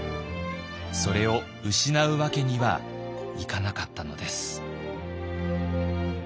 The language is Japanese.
それを失うわけにはいかなかったのです。